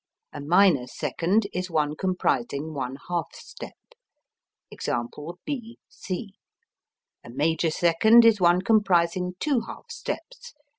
A minor second is one comprising one half step. Ex. B C. A major second is one comprising two half steps.